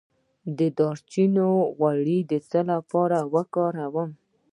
د دارچینی غوړي د څه لپاره وکاروم؟